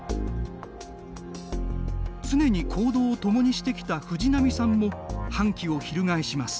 常に行動を共にしてきた藤波さんも反旗を翻します。